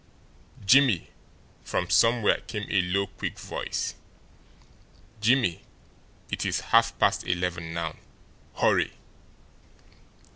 "JIMMIE!" from somewhere came a low, quick voice. "Jimmie, it is half past eleven now HURRY."